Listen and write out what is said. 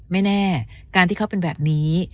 ไม่แน่การที่เขาเป็นแบบนี้